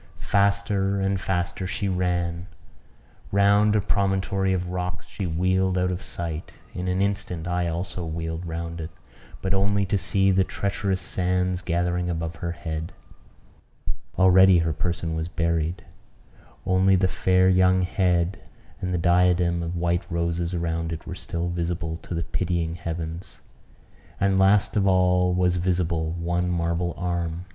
Faster and faster she ran; round a promontory of rocks she wheeled out of sight; in an instant I also wheeled round it, but only to see the treacherous sands gathering above her head. Already her person was buried; only the fair young head and the diadem of white roses around it were still visible to the pitying heavens; and, last of all, was visible one marble arm.